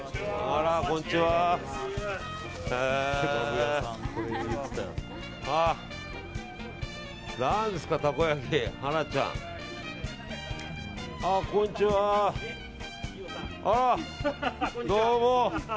あら、どうも。